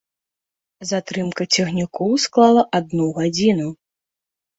Затрымка цягнікоў склала адну гадзіну.